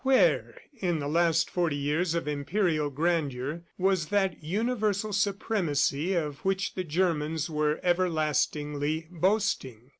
Where, in the last forty years of imperial grandeur, was that universal supremacy of which the Germans were everlastingly boasting?